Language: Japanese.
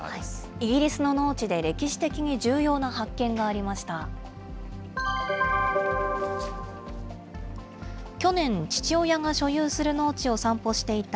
イギリスの農地で歴史的に重要な発見がありました。